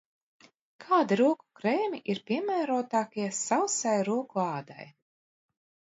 Kādi roku krēmi ir piemērotākie sausai roku ādai?